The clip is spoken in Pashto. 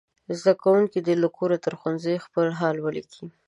زده کوونکي دې له کوره تر ښوونځي خپل حال ولیکي.